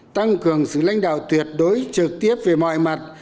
tăng cường sự lãnh đạo tuyệt đối trực tiếp về mọi mặt